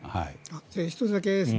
１つだけ。